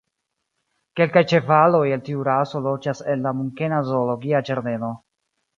Kelkaj ĉevaloj el tiu raso loĝas en la munkena zoologia ĝardeno.